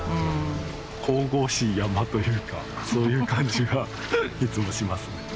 神々しい山というかそういう感じがいつもしますね。